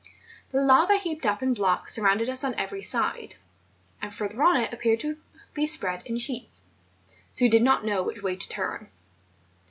The lava heaped up in blocks surrounded us on every side, and further on it appeared to be spread in sheets; so we did not know which way to turn.